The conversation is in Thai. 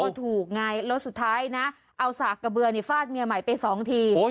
ก็ถูกไงแล้วสุดท้ายนะเอาสากกระเบือนี่ฟาดเมียใหม่ไปสองที